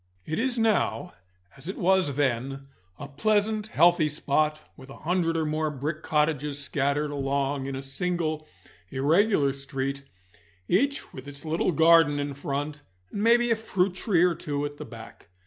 It is now as it was then, a pleasant, healthy spot, with a hundred or more brick cottages scattered along in a single irregular street, each with its little garden in front, and maybe a fruit tree or two at the back.